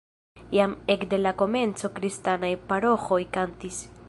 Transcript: Jam ekde la komenco kristanaj paroĥoj kantis.